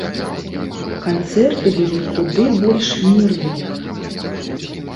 Канцэрты былі куды больш мірныя.